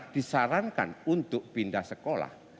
disarankan untuk pindah sekolah